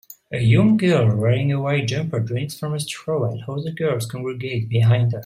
A young girl wearing a white jumper drinks from a straw while other girls congregate behind her.